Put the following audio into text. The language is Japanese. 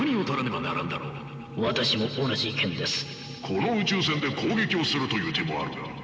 この宇宙船で攻撃をするという手もあるが。